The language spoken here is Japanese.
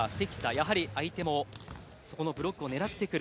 やはり相手もそこのブロックを狙ってくる。